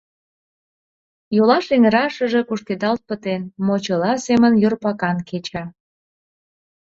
Йолаш эҥырашыже кушкедалт пытен, мочыла семын йорпакан кеча.